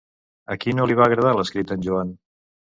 A qui no li va agradar l'escrit d'en Joan?